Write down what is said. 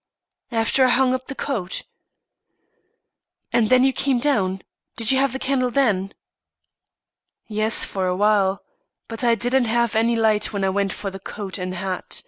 "After I hung up the coat." "And when you came down? Did you have the candle then?" "Yes, for a while. But I didn't have any light when I went for the coat and hat.